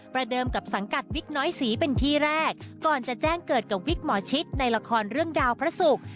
เดิมกับสังกัดวิกน้อยศรีเป็นที่แรกก่อนจะแจ้งเกิดกับวิกหมอชิตในละครเรื่องดาวพระศุกร์